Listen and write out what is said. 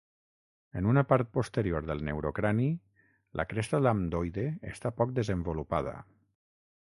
En una part posterior del neurocrani, la cresta lambdoide està poc desenvolupada.